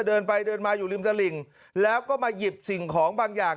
เดินไปเดินมาอยู่ริมตลิ่งแล้วก็มาหยิบสิ่งของบางอย่าง